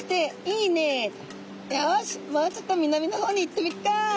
よしもうちょっと南の方に行ってみっか」。